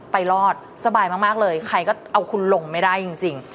ไปรอดสบายมากเลยใครก็เอาคุณลงไม่ได้จริง